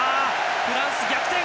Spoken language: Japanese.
フランス逆転！